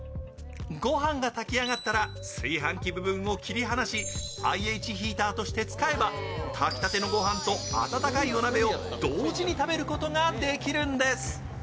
ご飯が炊き上がったら炊飯器部分を切り離しＩＨヒーターとして使えば炊きたてのご飯と温かいお鍋を同時に食べることができるんです。